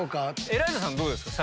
エライザさんどうですか？